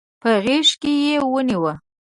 په غېږ کې يې ونيو.